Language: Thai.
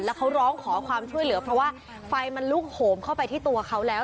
แล้วเขาร้องขอความช่วยเหลือเพราะว่าไฟมันลุกโหมเข้าไปที่ตัวเขาแล้ว